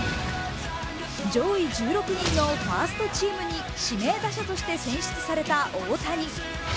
上位１６人のファーストチームに指名打者として選出された大谷。